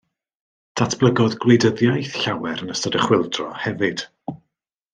Datblygodd gwleidyddiaeth llawer yn ystod y chwyldro hefyd